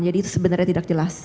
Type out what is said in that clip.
jadi itu sebenarnya tidak jelas